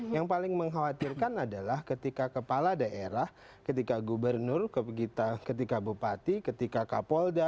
yang paling mengkhawatirkan adalah ketika kepala daerah ketika gubernur ketika bupati ketika kapolda